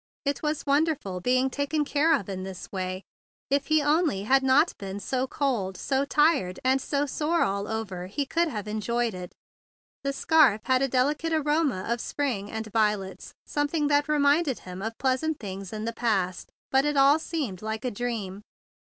It was wonder¬ ful being taken care of in this way; if 136 THE BIG BLUE SOLDIER he only had not been so cold, so tired, and so sore all over he could have en¬ joyed it. The scarf had a delicate aroma of spring and violets, something that reminded him of pleasant things in the past; but it all seemed like a dream.